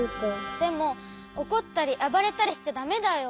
でもおこったりあばれたりしちゃだめだよ。